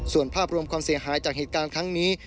ส่วนภาพรวมความเสียหายจากเหตุการณ์ครั้งนี้